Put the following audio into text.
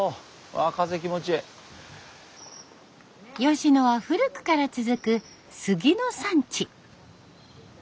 吉野は古くから続くスギの産地。